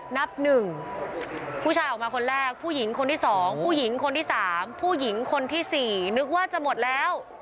นับ๑ผู้ชายออกมาคนแรกผู้หญิงคนที่๒ผู้หญิงคนที่๓ผู้หญิงคนที่๔นึกว่าจะหมดแล้ว